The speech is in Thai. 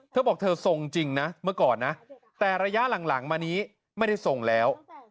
เธอบอกเธอทรงจริงนะเมื่อก่อนนะแต่ระยะหลังมานี้ไม่ได้ทรงแล้ว